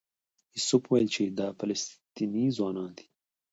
یوسف وویل چې دا فلسطینی ځوانان دي.